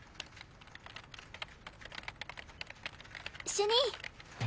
主任。